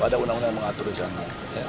ada undang undang yang mengatur isiannya